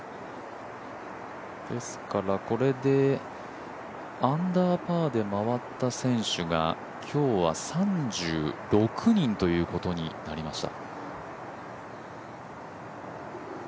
ですからこれでアンダーパーでまわった選手が今日は３６人ということになりました。